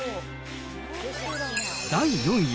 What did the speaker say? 第４位。